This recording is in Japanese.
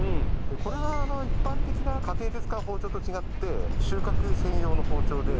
これは一般的な家庭で使う包丁と違って収穫専用の包丁で。